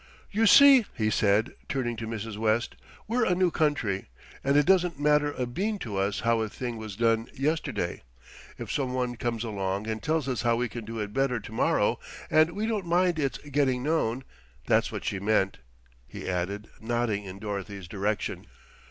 "You see," he said, turning to Mrs. West, "we're a new country and it doesn't matter a bean to us how a thing was done yesterday, if some one comes along and tells us how we can do it better to morrow, and we don't mind its getting known. That's what she meant," he added, nodding in Dorothy's direction.